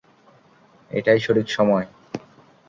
এটাই সঠিক সময়!